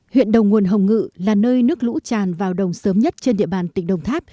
huyện đầu nguồn hồng ngự là nơi nước lũ tràn vào đồng sớm nhất trên địa bàn tỉnh đồng tháp